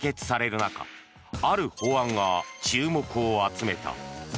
中ある法案が注目を集めた。